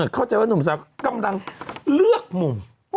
เข้าใจว่าหนุ่มสาวกำลังเลือกมุม